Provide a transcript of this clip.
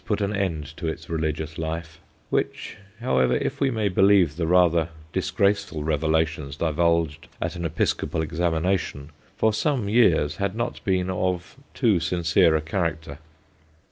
put an end to its religious life, which, however, if we may believe the rather disgraceful revelations divulged at an episcopal examination, for some years had not been of too sincere a character.